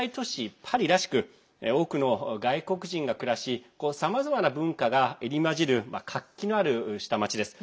パリらしく多くの外国人が暮らしさまざまな文化が入り交じる活気のある下町です。